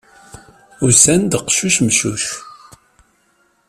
Usan-d qeccuc, meccuc.